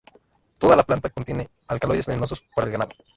Toda la planta contiene alcaloides venenosos para el ganado.